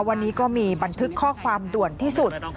วันนี้ก็มีบันทึกข้อความด่วนที่สุด